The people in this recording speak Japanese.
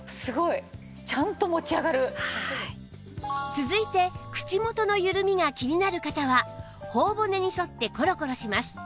続いて口元の緩みが気になる方は頬骨に沿ってコロコロします